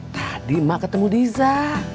tadi emak ketemu diza